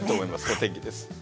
お天気です。